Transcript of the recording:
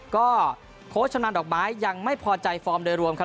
ก็โค้ชชำนาญดอกไม้ยังไม่พอใจฟอร์มโดยรวม